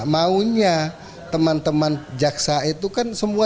teman teman jaksa itu kan semuanya terlalu banyak kepolisian yang sedang menangkap penyusupan kppu dan